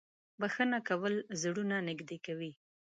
• بښنه کول زړونه نږدې کوي.